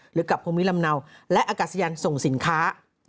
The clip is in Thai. หรือกับความวิลำเนาและอากาศยานส่งสินค้า